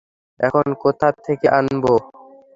এখন কোথা থেকে আনবো?